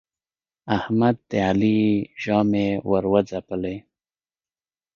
احمد د علي ژامې ور وځبلې.